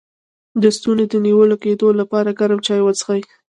د ستوني د نیول کیدو لپاره ګرم چای وڅښئ